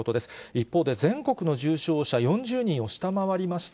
一方で全国の重症者４０人を下回りました。